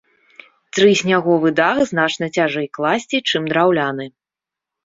Трысняговы дах значна цяжэй класці, чым драўляны.